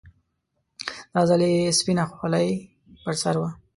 دا ځل يې سپينه خولۍ پر سر وه.